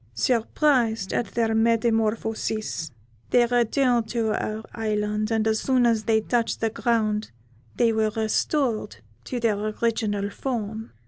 Surprised at their metamorphosis, they returned to our island, and as soon as they touched the ground they were restored to their original form.